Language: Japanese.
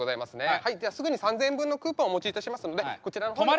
はいではすぐに３，０００円分のクーポンお持ちいたしますのでこちらの方に。